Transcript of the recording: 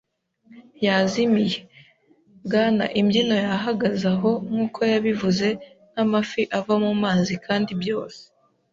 yazimiye. Bwana Imbyino yahagaze aho, nkuko yabivuze, "nk'amafi ava mu mazi," kandi byose